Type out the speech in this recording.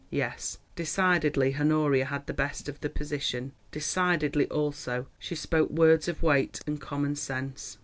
Yes, decidedly, Honoria had the best of the position; decidedly, also, she spoke words of weight and common sense.